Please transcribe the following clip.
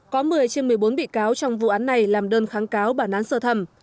có một mươi trên một mươi bốn bị cáo trong vụ án này làm đơn kháng cáo bản án sơ thẩm